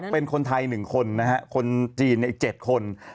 เป็นคนไทย๑คนนะฮะคนจีนอีก๗คน